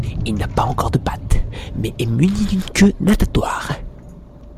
Il n'a pas encore de pattes, mais est muni d'une queue natatoire.